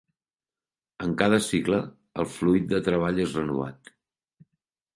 En cada cicle, el fluid de treball és renovat.